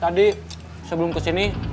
tadi sebelum kesini